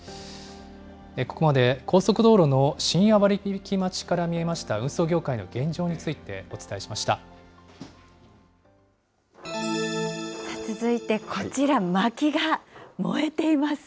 ここまで高速道路の深夜割引待ちから見えました運送業界の現さあ続いて、こちら、まきが燃えています。